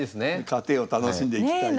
過程を楽しんでいきたい。